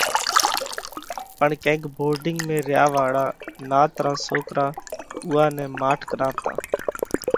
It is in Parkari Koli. پڻ ڪينڪ ڀورڍنڳ ۾ ريا واۯا نات را سوڪرا اُوئا نئہ ماٺ ڪراوَتا۔